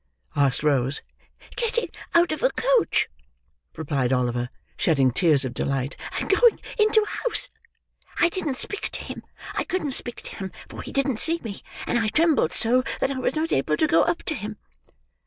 asked Rose. "Getting out of a coach," replied Oliver, shedding tears of delight, "and going into a house. I didn't speak to him—I couldn't speak to him, for he didn't see me, and I trembled so, that I was not able to go up to him.